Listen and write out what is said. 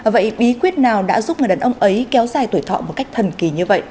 vậy bí quyết nào đã giúp người đàn ông ấy kéo dài tuổi thọ một cách thần kỳ như vậy